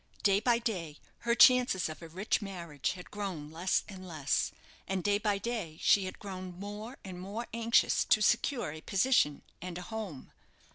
Day by day her chances of a rich marriage had grown less and less, and day by day she had grown more and more anxious to secure a position and a home.